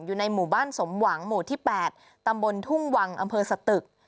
อยู่ในหมู่บ้านสมหวังหมู่ที่๘ตำบลทุ่งวังอำเภอสตึก